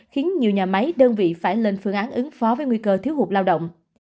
khiến nhiều nhà máy đơn vị phải lên phương án ứng phó với nguy cơ thiếu hụt lao động